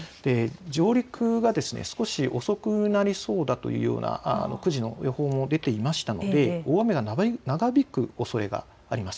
上陸が少し遅くなりそうだというような予報も出ていましたので大雨が長引くおそれがあります。